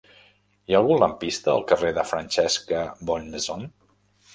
Hi ha algun lampista al carrer de Francesca Bonnemaison?